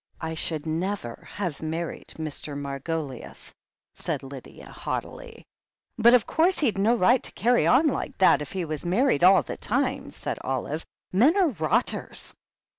"I should never have married Mr. Margoliouth," said Lydia haughtily. "But of course he'd no right to carry on like that if he was married all the time," said Olive. "Men are rotters